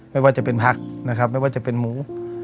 ไม่ว่าจะเป็นผักนะครับไม่ว่าจะเป็นหมู